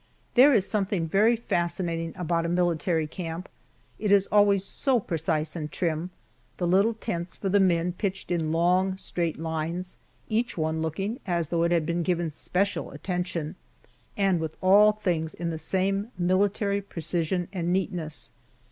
There is something very fascinating about a military camp it is always so precise and trim the little tents for the men pitched in long straight lines, each one looking as though it had been given especial attention, and with all things is the same military precision and neatness.